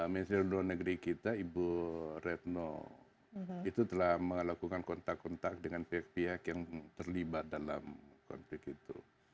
menteri luar negeri kita ibu retno itu telah melakukan kontak kontak dengan pihak pihak yang terlibat dalam konflik itu